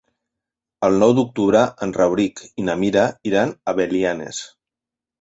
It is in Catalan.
El nou d'octubre en Rauric i na Mira iran a Belianes.